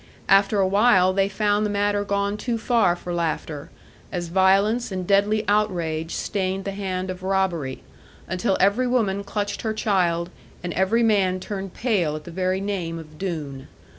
After awhile they found the matter gone too far for laughter, as violence and deadly outrage stained the hand of robbery, until every woman clutched her child, and every man turned pale at the very name of Doone.